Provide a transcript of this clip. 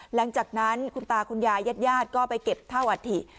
หลังจากนั้นคุณตาคุณยายแยดก็ไปเก็บท่าวอาทิตย์